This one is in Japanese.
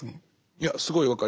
いやすごい分かります。